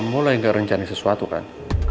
kamu lah yang gak rencanain sesuatu kan